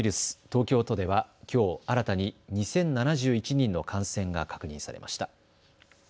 東京都ではきょう新たに２０７１人の感染が確認されました。